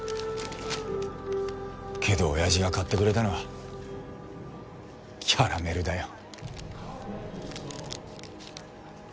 けど親父が買ってくれたのはキャラメルだよ。